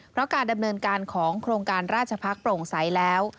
เพราะการดำเนินการของโครงการราชพักษ์โปร่งใสแล้ว